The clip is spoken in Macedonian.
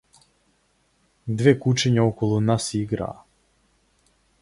Две кучиња околу нас играа.